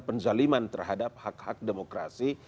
penzaliman terhadap hak hak demokrasi